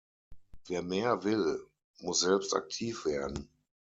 Wer mehr will, muss selbst aktiv werden».